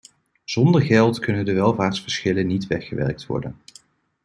Zonder geld kunnen de welvaartsverschillen niet weggewerkt worden.